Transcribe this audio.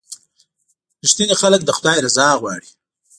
• رښتیني خلک د خدای رضا غواړي.